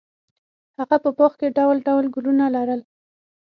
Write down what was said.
هغه په باغ کې ډول ډول ګلونه لرل.